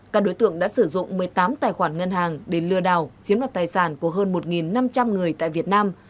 các đối tượng đã sử dụng một mươi tám tài khoản ngân hàng để lừa đảo chiếm đoạt tài sản của hơn một năm trăm linh người tại việt nam